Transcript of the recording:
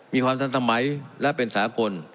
มีความทันสมัยและเป็นสากล